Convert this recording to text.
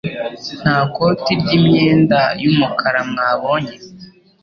Nta koti ryimyenda y umukara mwabonye